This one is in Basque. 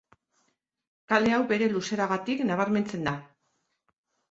Kale hau bere luzeragatik nabarmentzen da.